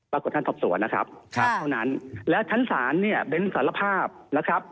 ไปกับท่านสอบสวนนะครับครับเพราะงั้นและท่านสารเนี้ยเป็นสารภาพนะครับ